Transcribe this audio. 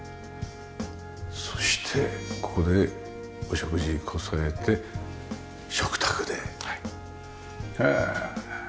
そしてここでお食事こさえて食卓でへえ。